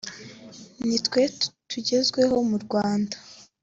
nit we tugezweho mu Rwanda